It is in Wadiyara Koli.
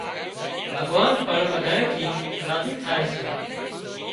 ڀڳوان پڻ ٻڌانئي ٿي راضي سي